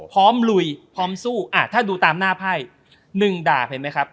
ลุยพร้อมสู้อ่าถ้าดูตามหน้าไพ่๑ดาบเห็นไหมครับ